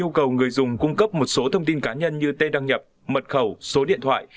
nếu có nhu cầu người dùng cung cấp một số thông tin cá nhân như tên đăng nhập mật khẩu số điện thoại